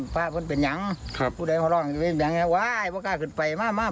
ภาพเป็นยังครับผู้ใดประมาณเหมือนกันมาค่ะขึ้นไปมาไม่ค่ะ